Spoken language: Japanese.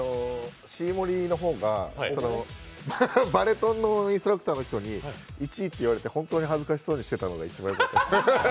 バリトンのインストラクターの人に１位って言われて本当に恥ずかしそうにしてたのが印象的でした。